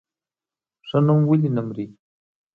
ښه نوم ولې نه مري؟